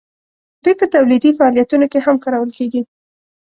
دوی په تولیدي فعالیتونو کې هم کارول کیږي.